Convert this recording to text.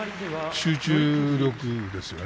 集中力ですよね。